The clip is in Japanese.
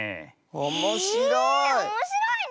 おもしろい！